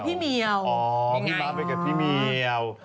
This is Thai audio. อ๋อพี่ม้าไปกับพี่เมียว